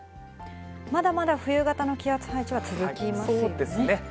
まだまだ冬型の気圧配置は続そうですね。